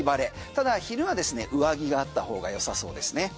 ただ昼はですね上着があった方がよさそうですね。